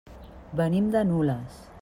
Venim de Nules.